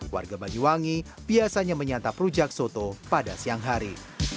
warga banyuwangi biasanya menyantap rujak soto pada siang hari